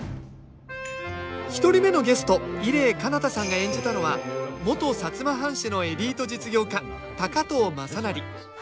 １人目のゲスト伊礼彼方さんが演じたのは元摩藩士のエリート実業家高藤雅修。